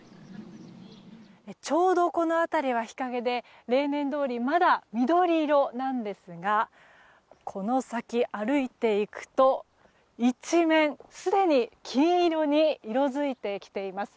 ちょうどこの辺りは日陰で例年どおり、まだ緑色なんですがこの先、歩いていくと一面すでに黄色に色づいてきています。